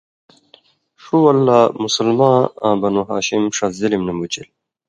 ݜُو وَل لا مُسلماں آں بنو ہاشم ݜس ظِلم نہ مُچِل۔